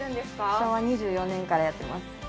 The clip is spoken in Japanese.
昭和２４年からやっています。